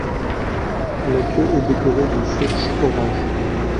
La queue est décorée d'une fourche orange.